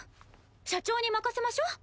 社長に任せましょ。